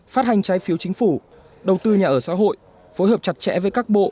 phát hành trái phiếu chính phủ đầu tư nhà ở xã hội phối hợp chặt chẽ với các bộ